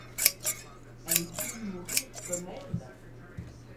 Allait-il mourir comme elle ?